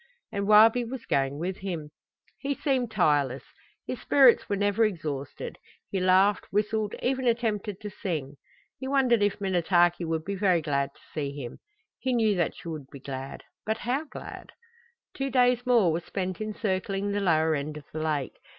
And Wabi was going with him! He seemed tireless; his spirits were never exhausted; he laughed, whistled, even attempted to sing. He wondered if Minnetaki would be very glad to see him. He knew that she would be glad but how glad? Two days more were spent in circling the lower end of the lake.